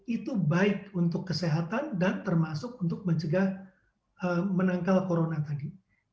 itu baik untuk kesehatan dan termasuk untuk mencegah menangkal corona tadi